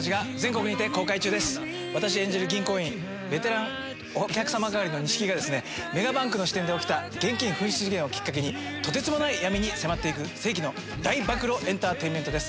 私演じる銀行員ベテランお客さま係の西木がメガバンクの支店で起きた現金紛失事件をきっかけにとてつもない闇に迫っていく世紀の大暴露エンターテインメントです。